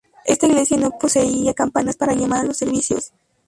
Esta iglesia no poseía campanas para llamar a los servicios.